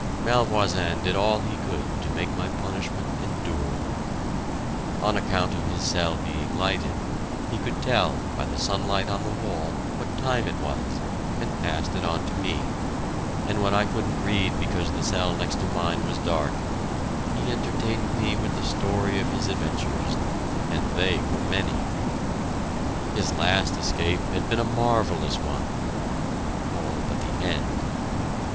Malvoisin did all he could to make my punishment endurable. On account of his cell being lighted, he could tell, by the sunlight on the wall, what time it was, and passed it on to me, and when I couldn't read because the cell next to mine was dark, he entertained me with the story of his adventures and they were many! His last escape had been a marvellous one all but the end.